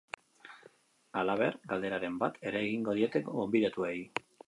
Halaber, galderaren bat ere egingo diete gonbidatuei.